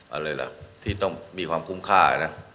อะไรล่ะที่ต้องมีคุ้มค่า